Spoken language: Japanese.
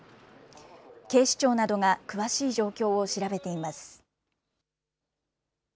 警視庁などが詳しい状況を調べています。